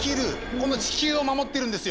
この地球を守ってるんですよ。